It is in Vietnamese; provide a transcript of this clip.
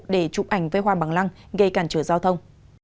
để chụp ảnh với hoa bằng lăng gây cản trở giao thông